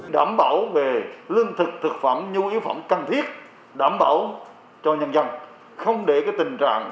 đảm bảo về lương thực thực phẩm nhu yếu phẩm cần thiết đảm bảo cho nhân dân không để tình trạng